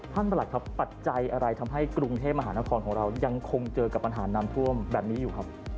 ประหลัดครับปัจจัยอะไรทำให้กรุงเทพมหานครของเรายังคงเจอกับปัญหาน้ำท่วมแบบนี้อยู่ครับ